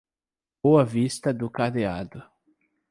Boa Vista do Cadeado